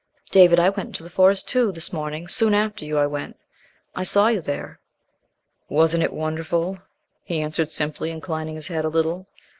"David, I went into the Forest, too, this morning, soon after you I went. I saw you there." "Wasn't it wonderful?" he answered simply, inclining his head a little.